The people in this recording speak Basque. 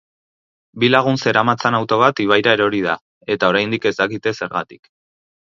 Bi lagun zeramatzan auto bat ibaira erori da eta oraindik ez dakite zergatik.